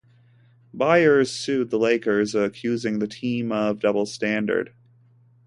Byears sued the Lakers, accusing the team of double standard.